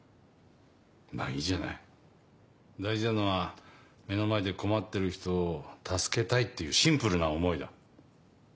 まぁいいじゃない大事なのは目の前で困ってる人を助けたいっていうシンプルな思いだ。